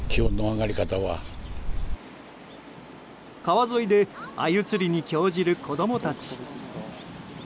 川沿いでアユ釣りに興じる子供たち。